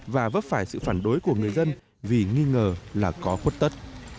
và vấp phải sự phản đối của người dân vì nghi ngờ là có khuất tất